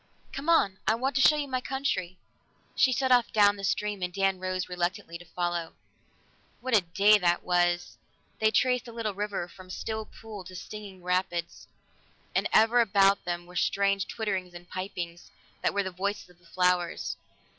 "Come on! I want to show you my country." She set off down the stream, and Dan rose reluctantly to follow. What a day that was! They traced the little river from still pool to singing rapids, and ever about them were the strange twitterings and pipings that were the voices of the flowers.